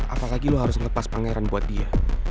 apalagi lo harus ngelepas pangeran buat dia